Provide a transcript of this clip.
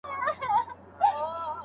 ډېر کسان مخکې واکسین شوي دي.